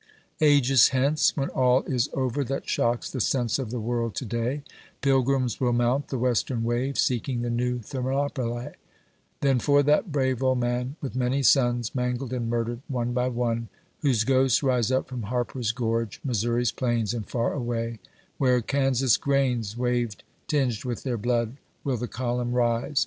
Ages hence, when all is over that shocks the sense of the world to day, Pilgrims will motint the western wave, seeking the new Thermopylae ; Then, for that brave old man with many sons, mangled and murdered, one by one, Whose ghosts rise up from Harper's gorge, Missouri's plains, and far away Where Kansas' grains wave tinged with their blood, will the column rise